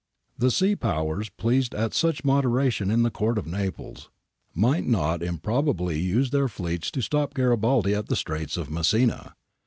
The sea powers, pleased at such moderation in the Court of Naples, might not improbabl}' use their fleets to stop Garibaldi at the Straits of Messina.